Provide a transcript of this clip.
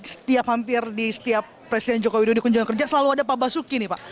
setiap hampir di setiap presiden jokowi dulu dikunjungi kerja selalu ada pak basuki nih pak